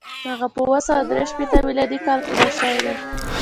هغه په اووه سوه درې شپېته میلادي کال کې مړ شوی دی.